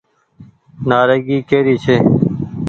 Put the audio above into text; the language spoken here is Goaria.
نآريگي ڪي ري ڇي۔